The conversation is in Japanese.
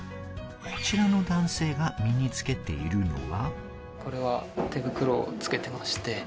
こちらの男性が身につけているのは。